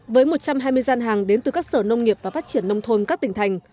với một trăm hai mươi gian hàng đến từ các sở nông nghiệp và phát triển nông thôn các tỉnh thành